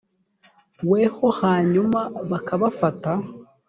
we h hanyuma bakabafata